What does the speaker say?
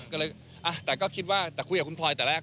ก็เลยแต่ก็คิดว่าแต่คุยกับคุณพลอยแต่แรก